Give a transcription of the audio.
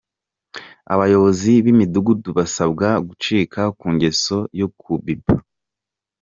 Abayobozi b’imidugudu basabwe gucika ku ngeso yo kubipa